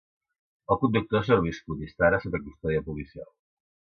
El conductor ha sobreviscut i està ara sota custòdia policial.